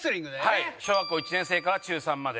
小学校１年生から中３まで。